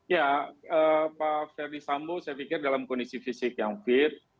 ya pak ferdis sambo saya pikir dalam kondisi fisik yang fit